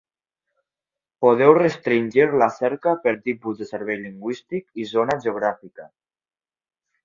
Podeu restringir la cerca per tipus de servei lingüístic i zona geogràfica.